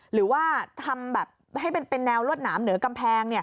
หรือว่าทำแบบให้เป็นแนวรวดหนามเหนือกำแพง